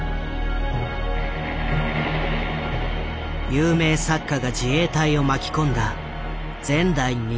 有名作家が自衛隊を巻き込んだ前代未聞の大事件。